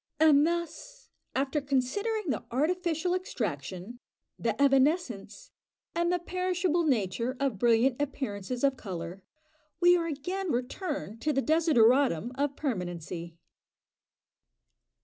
And thus, after considering the artificial extraction, the evanescence, and the perishable nature of brilliant appearances of colour, we are again returned to the desideratum of permanency.